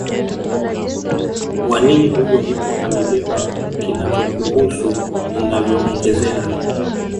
wa nini huyo mtu amebeba kinachokuhusu unavyoongezeka